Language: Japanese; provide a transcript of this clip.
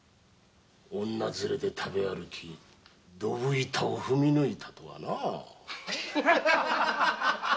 女づれで食べ歩きドブ板を踏み抜いたとはな。